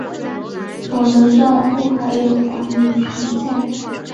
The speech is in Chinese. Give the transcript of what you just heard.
我的帐户还有管理权限